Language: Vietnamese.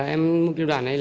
em muốn kiếm đạn này